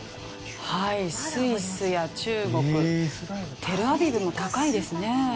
スイスや中国テルアビブも高いですね。